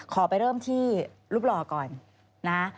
ขอไปเริ่มที่รูปหล่อก่อนนะ